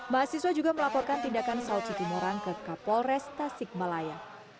mahasiswa juga melakukan tindakan saud situmorang ke kapolres tasikmalaya